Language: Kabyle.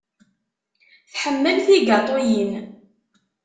Tḥemmel tigaṭuyin.